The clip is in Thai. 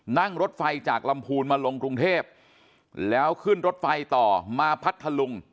นั่งรถไฟจากลำพูนมาลงกรุงเทพแล้วขึ้นรถไฟต่อมาพัทธลุง